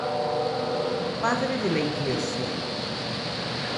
Padre de la Iglesia.